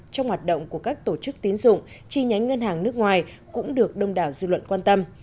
trong hoạt động của các tổ chức tiến dụng chi nhánh ngân hàng nước ngoài cũng được đông đảo dư luận quan tâm